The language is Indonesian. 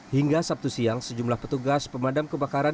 hingga sabtu siang sejumlah petugas pemadam kebakaran